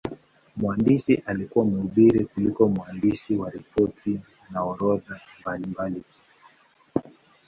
Mwandishi alikuwa mhubiri kuliko mwandishi wa ripoti na orodha mbalimbali tu.